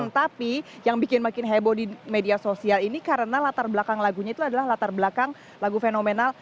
tapi yang bikin makin heboh di media sosial ini karena latar belakang lagunya itu adalah latar belakang lagu fenomenal